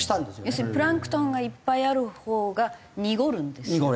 要するにプランクトンがいっぱいあるほうが濁るんですよね。